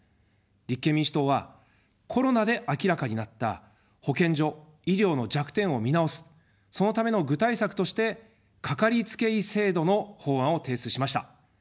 立憲民主党は、コロナで明らかになった保健所・医療の弱点を見直す、そのための具体策として、かかりつけ医制度の法案を提出しました。